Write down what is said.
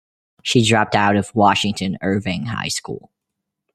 She dropped out of Washington Irving High School.